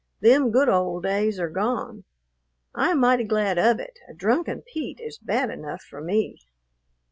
Them good old days are gone." I am mighty glad of it; a drunken Pete is bad enough for me.